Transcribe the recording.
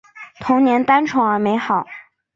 童年单纯而美好